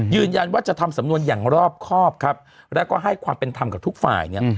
ยืนยันว่าจะทำสำนวนอย่างรอบครอบครับแล้วก็ให้ความเป็นธรรมกับทุกฝ่ายเนี่ย